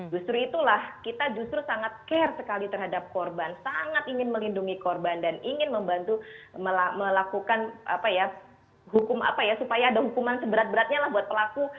justru itulah kita justru sangat care sekali terhadap korban sangat ingin melindungi korban dan ingin membantu melakukan apa ya hukum apa ya supaya ada hukuman seberat beratnya lah buat pelaku